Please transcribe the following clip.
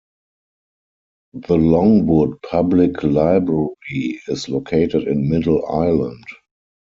The Longwood Public Library is located in Middle Island.